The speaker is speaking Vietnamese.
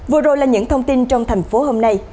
vừa rồi là những thông tin trong thành phố hôm nay